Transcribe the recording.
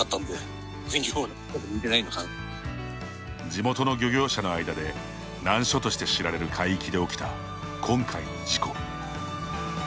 地元の漁業者の間で難所として知られる海域で起きた今回の事故。